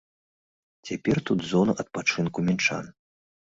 Цяпер тут зона адпачынку мінчан.